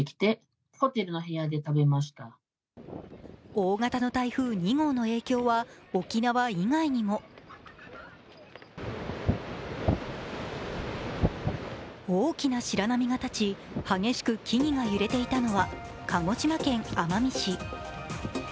大型の台風２号の影響は沖縄以外にも大きな白波が立ち、激しく木々が揺れていたのは鹿児島県奄美市。